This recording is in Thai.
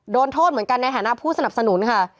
โดนโทษเหมือนกันในฐานะผู้สนับสนุนค่ะ